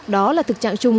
đó là thực trạng chung